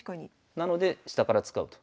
なので下から使うと。